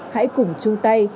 hãy cùng chung tay